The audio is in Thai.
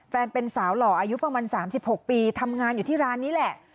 แฟนเป็นสาวหล่ออายุประมาณ๓๖ปีทำงานอยู่ที่ร้านนี้แหละ